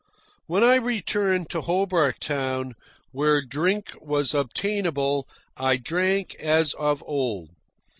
When I returned to Hobart Town, where drink was obtainable, I drank as of old.